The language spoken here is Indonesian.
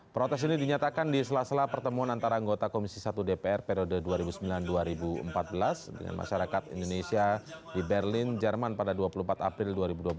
protes ini dinyatakan di sela sela pertemuan antara anggota komisi satu dpr periode dua ribu sembilan dua ribu empat belas dengan masyarakat indonesia di berlin jerman pada dua puluh empat april dua ribu dua belas